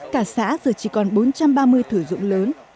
cả xã giờ chỉ còn bốn trăm ba mươi thử dụng lớn